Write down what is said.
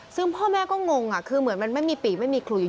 ซึ่งพ่อแม่ก็งงคือเหมือนมันไม่มีปีกไม่มีคุย